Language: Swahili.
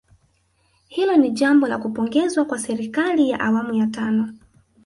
Hilo ni jambo la kupongezwa kwa serikali ya awamu ya tano